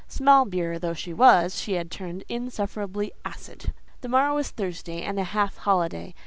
Small beer as she was, she had turned insufferably acid. The morrow was Thursday and a half holiday.